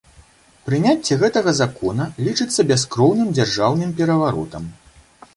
Прыняцце гэтага закона лічыцца бяскроўным дзяржаўным пераваротам.